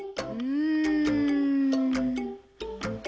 うん。